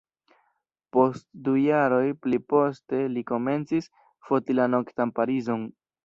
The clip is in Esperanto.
Post du jaroj pli poste li komencis foti la noktan Parizon.